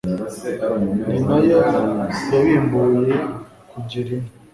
ni nayo yabimbuye kugera ino